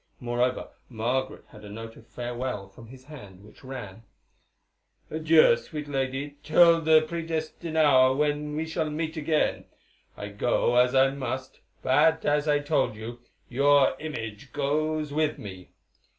Moreover, Margaret had a note of farewell from his hand, which ran: "Adieu, sweet lady, till that predestined hour when we meet again. I go, as I must, but, as I told you, your image goes with me.